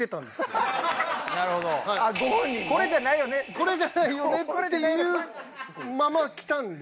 「これじゃないよね？」っていうまま来たんで。